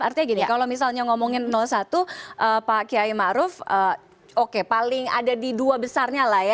artinya gini kalau misalnya ngomongin satu pak kiai ⁇ maruf ⁇ oke paling ada di dua besarnya lah ya